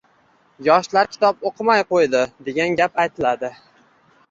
“Yoshlar kitob o‘qimay qo‘ydi” degan gap aytiladi.